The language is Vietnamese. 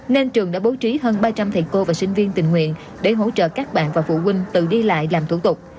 nên trường đã bố trí hơn ba trăm linh thầy cô và sinh viên tình nguyện để hỗ trợ các bạn và phụ huynh tự đi lại làm thủ tục